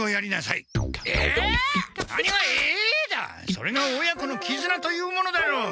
それが親子のきずなというものだろう！